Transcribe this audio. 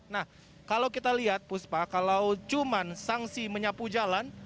nah kalau kita lihat puspa kalau cuma sanksi menyapu jalan